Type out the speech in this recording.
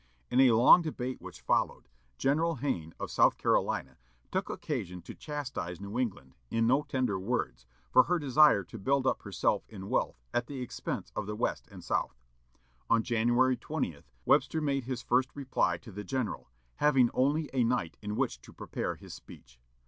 In a long debate which followed, General Hayne of South Carolina took occasion to chastise New England, in no tender words, for her desire to build up herself in wealth at the expense of the West and South. On January 20, Webster made his first reply to the General, having only a night in which to prepare his speech.